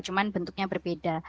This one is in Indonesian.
cuman bentuknya berbeda